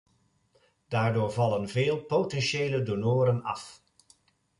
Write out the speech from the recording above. Daardoor vallen veel potentiële donoren af.